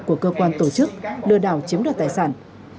của cơ quan tổ chức lừa đảo chiếm đoạt tài sản